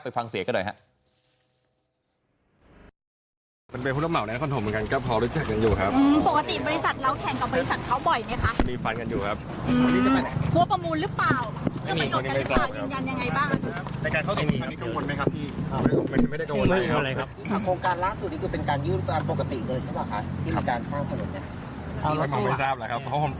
ฟังเสียงกันหน่อยครับ